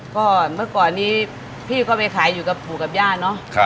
ก็เมื่อก่อนนี้พี่ก็ไปขายอยู่กับปู่กับย่าเนอะ